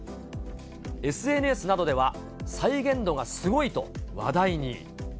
ＳＮＳなどでは再現度がすごいと話題に。